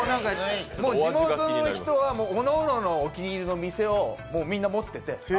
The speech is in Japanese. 地元の人はおのおののお気に入りの店をみんな持ってて。